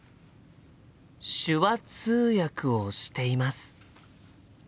手話通訳をしています。